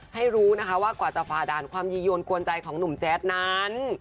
ให้รู้นะคะว่ากว่าจะฝ่าด่านความยียวนกวนใจของหนุ่มแจ๊ดนั้น